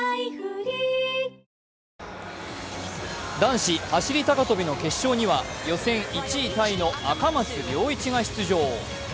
男子走高跳の決勝には予選１位タイの赤松諒一が出場。